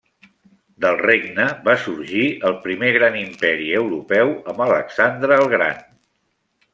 Del regne va sorgir el primer gran imperi europeu amb Alexandre el Gran.